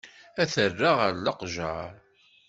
Ad t-rreɣ ɣer leqjer.